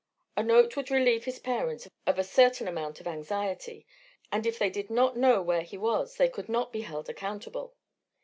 A note would relieve his parents of a certain amount of anxiety; and if they did not know where he was they could not be held accountable.